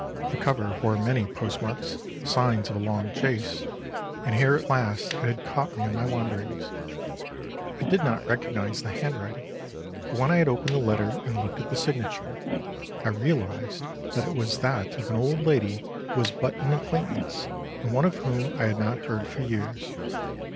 The cover bore many post marks, signs of a long chase, and here at last it had caught me in my wanderings. I did not recognise the handwriting, but when I had opened the letter and looked at the signature, I realised that it was that of an old lady who was but an acquaintance, and one of whom I had not heard for years.